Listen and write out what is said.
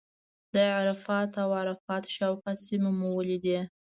د عرفات او عرفات شاوخوا سیمې مو ولیدې.